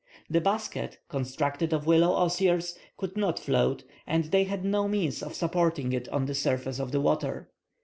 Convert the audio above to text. The basket, constructed of willow osiers, could not float, and they had no means of supporting it on the surface of the water.